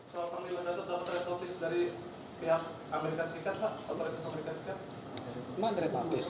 soal panglima yang datang dapat red notice dari pihak amerika serikat pak otoritas amerika serikat